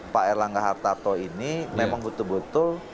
pak erlangga hartarto ini memang betul betul